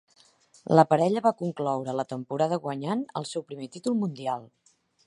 La parella va concloure la temporada guanyant el seu primer títol mundial.